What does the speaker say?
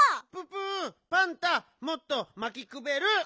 ププパンタもっとまきくべる！